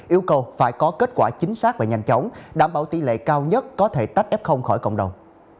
yêu cầu phải có kết quả chính xác và nhanh chóng đảm bảo tỷ lệ cao nhất có thể tách f khỏi cộng đồng